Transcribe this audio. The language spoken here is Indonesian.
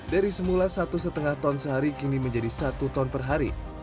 dari semula satu lima ton sehari kini menjadi satu ton per hari